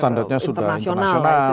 standarnya sudah internasional